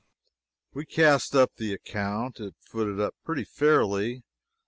We cast up the account. It footed up pretty fairly.